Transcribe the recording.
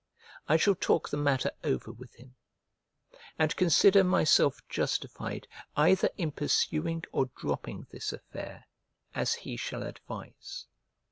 I shall talk the matter over with him, and consider myself justified either in pursuing or dropping this affair, as he shall advise.